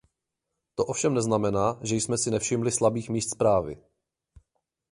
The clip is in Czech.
To ovšem neznamená, že jsme si nevšimli slabých míst zprávy.